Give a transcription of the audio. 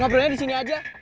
ngobrolnya di sini aja